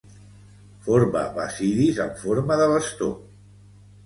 Forma basidis amb forma de bastó.